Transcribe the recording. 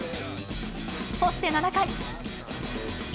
そして７回。